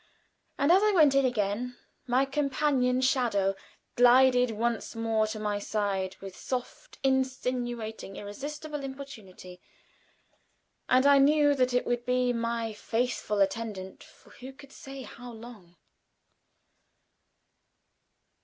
And as I went in again, my companion shadow glided once more to my side with soft, insinuating, irresistible importunity, and I knew that it would be my faithful attendant for who could say how long?